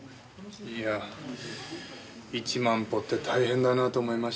いや１万歩って大変だなあと思いましてねえ。